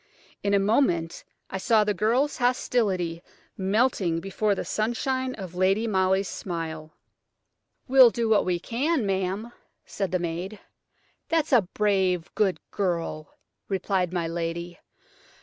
In a moment I saw the girls' hostility melting before the sunshine of Lady Molly's smile. "We'll do what we can, ma'am," said the maid. "That's a brave, good girl!" replied my lady.